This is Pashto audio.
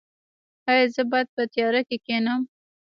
ایا زه باید په تیاره کې کینم؟